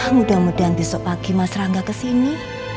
mudah mudahan besok pagi mas rangga kesini